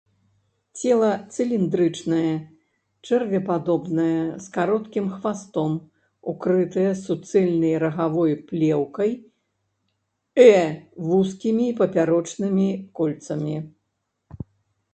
Цела цыліндрычнае, чэрвепадобнае, з кароткім хвастом, укрытае суцэльнай рагавой плеўкай э вузкімі папярочнымі кольцамі.